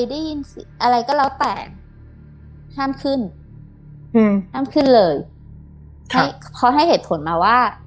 ได้ยินอะไรก็แล้วแต่ห้ามขึ้นอืมห้ามขึ้นเลยให้เขาให้เหตุผลมาว่า